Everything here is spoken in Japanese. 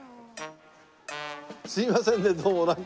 すいませんねどうもなんか。